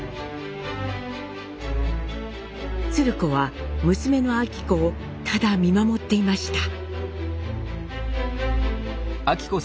鶴子は娘の昭子をただ見守っていました。